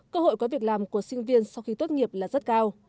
cơ hội có việc làm của sinh viên sau khi tốt nghiệp là rất cao